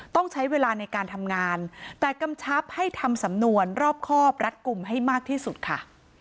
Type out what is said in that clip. ต้องใช้เวลาในการทำงานแต่กำชับให้ทำสำนวนรอบครอบรัดกลุ่มให้มากที่สุดค่ะ